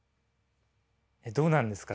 どうなんですかね。